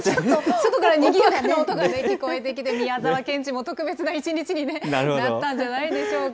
外からにぎやかな音が聞こえてきて、宮沢賢治も特別な一日になったんじゃないでしょうか。